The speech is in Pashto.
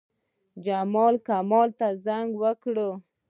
جمال، کمال ته زنګ وکړ.